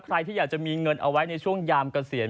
ใครที่อยากจะมีเงินเอาไว้ในช่วงยามเกษียณ